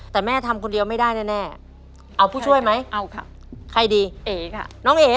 แต่แม่ทำคนเดียวไม่ได้แน่